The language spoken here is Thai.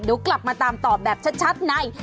เดี๋ยวกลับมาตามตอบแบบชัดใน